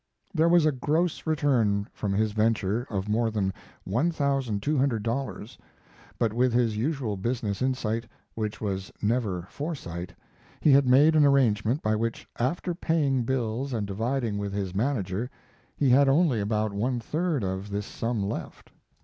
] There was a gross return from his venture of more than $1,200, but with his usual business insight, which was never foresight, he had made an arrangement by which, after paying bills and dividing with his manager, he had only about one third of, this sum left.